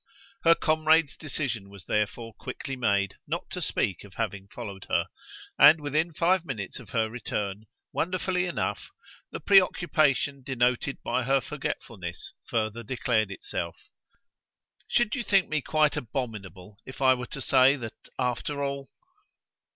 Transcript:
Her comrade's decision was therefore quickly made not to speak of having followed her; and within five minutes of her return, wonderfully enough, the preoccupation denoted by her forgetfulness further declared itself. "Should you think me quite abominable if I were to say that after all